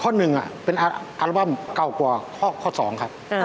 หนึ่งเป็นอัลบั้มเก่ากว่าข้อ๒ครับ